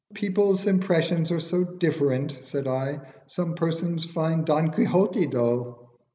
"People's impressions are so different," said I. "Some persons find 'Don Quixote' dull."